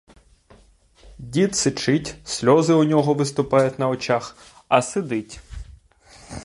Дід сичить, сльози у нього виступають на очах, а сидить!